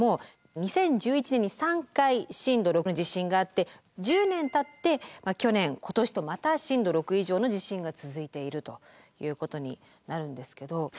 ２０１１年に３回震度６以上の地震があって１０年たって去年今年とまた震度６以上の地震が続いているということになるんですけど。